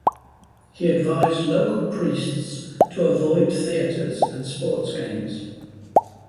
He advised local priests to avoid theaters and sports games.